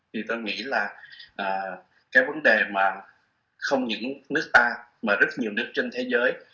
thì tôi nghĩ là cái vấn đề mà không những nước ta mà rất nhiều nước trên thế giới